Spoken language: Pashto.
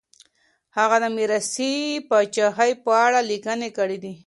هغه د ميراثي پاچاهۍ په اړه ليکنې کړي دي.